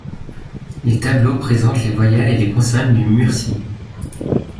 Les tableaux présentent les voyelles et les consonnes du mursi.